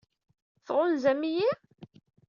Tɣunzam-iyi?